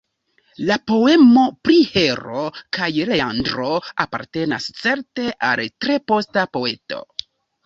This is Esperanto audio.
La poemo pri Hero kaj Leandro apartenas certe al tre posta poeto.